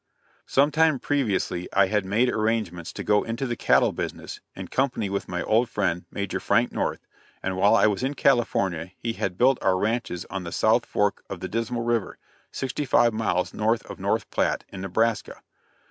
Some time previously I had made arrangements to go into the cattle business in company with my old friend, Major Frank North, and while I was in California he had built our ranches on the South Fork of the Dismal river, sixty five miles north of North Platte, in Nebraska.